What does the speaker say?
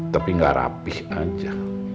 tapi nggak rapih aja